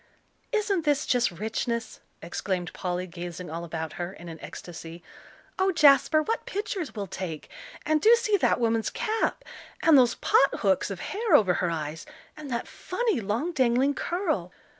"Isn't this just richness?" exclaimed Polly, gazing all about her in an ecstasy. "Oh, Jasper, what pictures we'll take and do see that woman's cap! and those pot hooks of hair over her eyes, and that funny, long dangling curl!"